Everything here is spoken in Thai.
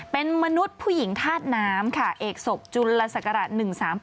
เป็นมนุษย์ผู้หญิงธาตุน้ำค่ะเอกศพจุลศักราช๑๓๘